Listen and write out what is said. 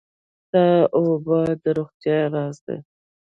ساده اوبه د روغتیا راز دي